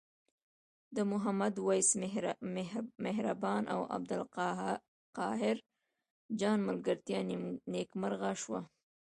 د محمد وېس مهربان او عبدالقاهر جان ملګرتیا نیکمرغه شوه.